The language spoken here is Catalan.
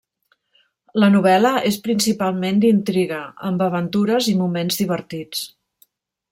La novel·la és principalment d'intriga, amb aventures i moments divertits.